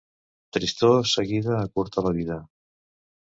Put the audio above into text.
Tristor seguida acurta la vida.